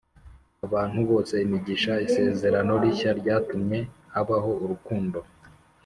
abantu bose imigisha Isezerano rishya ryatumye habaho urukundo